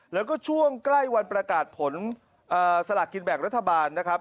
แล้วก็ช่วงใกล้วันประกาศผลสลากกินแบ่งรัฐบาลนะครับ